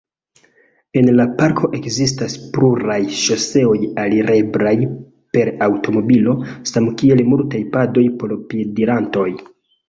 En la parko ekzistas pluraj ŝoseoj alireblaj per aŭtomobilo, samkiel multaj padoj por piedirantoj.